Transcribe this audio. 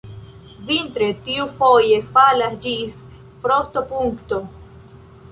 Vintre tio foje falas ĝis frostopunkto.